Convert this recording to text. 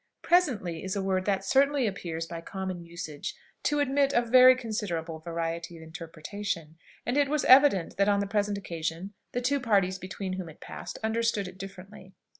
"Presently" is a word that certainly appears, by common usage, to admit of very considerable variety of interpretation; and it was evident that on the present occasion the two parties between whom it passed understood it differently.